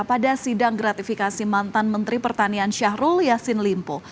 pada sidang gratifikasi mantan menteri pertanian syahrul yassin limpo